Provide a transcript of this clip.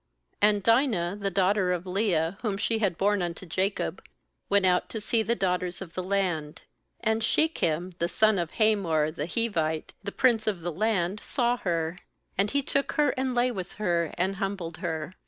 O A And Dinah the daughter of Leah, u •* whom she had borne unto Jacob, went out to see the daughters of the land. 2And Shechem the son of Hamor the Hivite, the prince of the land, saw her; and he took her, and.lay with her, and humbled her.